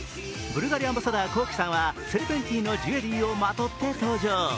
ブルガリアンバサダー、Ｋｏｋｉ，さんはセルペンティのジュエリーをまとって登場。